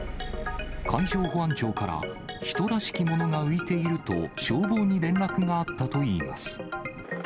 海上保安庁から、人らしきものが浮いていると、消防に連絡があったといいます。